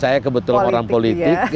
saya kebetulan orang politik